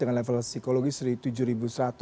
dengan level psikologis dari rp tujuh seratus